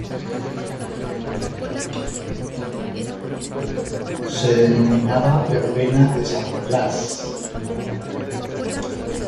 Se denominaba verbena de San Blas.